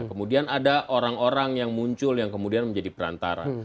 kemudian ada orang orang yang muncul yang kemudian menjadi perantara